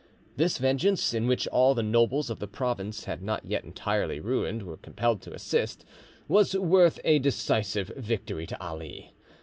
This vengeance, in which all the nobles of the province not yet entirely ruined were compelled to assist, was worth a decisive victory to Ali.